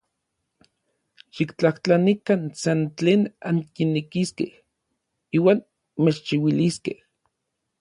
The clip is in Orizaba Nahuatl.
Xiktlajtlanikan san tlen ankinekiskej, iuan mechchiuiliskej.